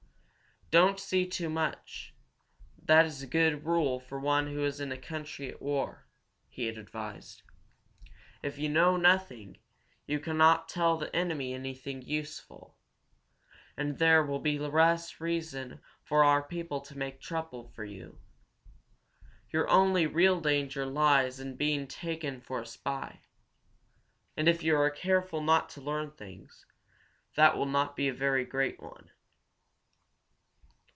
"Don't see too much. That is a good rule for one who is in a country at war," he had advised. "If you know nothing, you cannot tell the enemy anything useful, and there will be less reason for our people to make trouble for you. Your only real danger lies in being taken for a spy. And if you are careful not to learn things, that will not be a very great one."